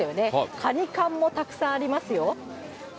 カニ缶もたくさんありますよ。